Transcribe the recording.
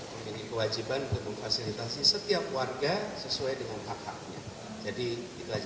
memiliki kewajiban untuk memfasilitasi setiap warga sesuai dengan hak haknya